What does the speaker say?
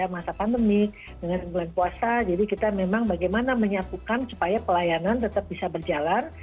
masa pandemi dengan bulan puasa jadi kita memang bagaimana menyatukan supaya pelayanan tetap bisa berjalan